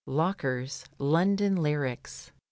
Locker's ^^ London Lyrics."